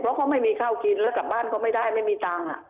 เพราะเขาไม่มีข้าวกินแล้วกลับบ้านก็ไม่ได้ไม่มีตังค์